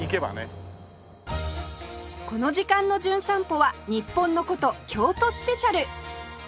この時間の『じゅん散歩』は日本の古都京都スペシャル